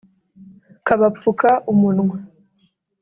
kabapfuka umunwa